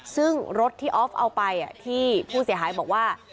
ซึ่งรถที่ออฟเอาไปที่ผู้เสียหายบอกว่า